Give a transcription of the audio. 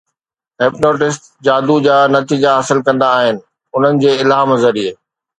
hypnotists جادو جا نتيجا حاصل ڪندا آهن انهن جي الهام ذريعي